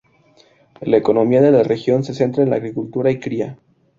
La economía de la región se centra en la agricultura y cría.